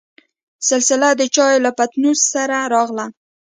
سلسله دچايو له پتنوس سره راغله.